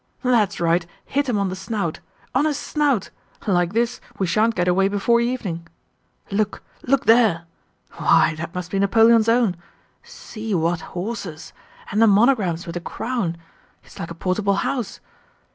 "That's right, hit him on the snout—on his snout! Like this, we shan't get away before evening. Look, look there.... Why, that must be Napoleon's own. See what horses! And the monograms with a crown! It's like a portable house....